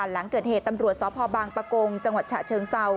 หลังเกิดเหตุตำรวจสพบางปะกงจังหวัดฉะเชิงเซา